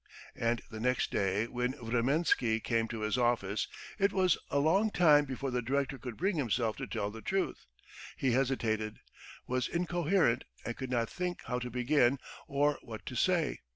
And the next day when Vremensky came to his office it was a long time before the director could bring himself to tell the truth. He hesitated, was incoherent, and could not think how to begin or what to say.